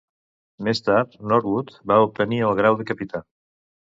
Més tard Norwood va obtenir el grau de capità.